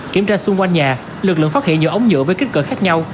kiểm tra xung quanh nhà lực lượng phát hiện nhiều ống nhựa với kích cỡ khác nhau